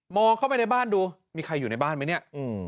เข้าไปในบ้านดูมีใครอยู่ในบ้านไหมเนี่ย